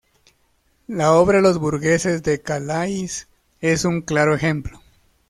La obra "Los burgueses de Calais" es un claro ejemplo.